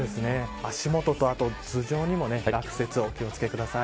足元と、あと頭上にも落雪、お気を付けください。